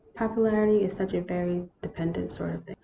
popularity is such a very de pendent sort of thing.